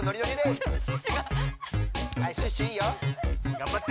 がんばって！